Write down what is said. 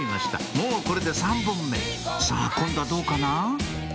もうこれで３本目さぁ今度はどうかな？